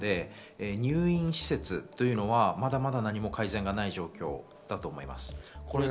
入院施設というのは、まだまだ何も改善がない状況だと思います。